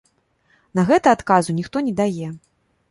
На гэта адказу ніхто не дае.